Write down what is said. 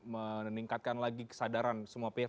meningkatkan lagi kesadaran semua pihak